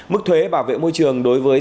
mức thuế bảo vệ môi trường đối với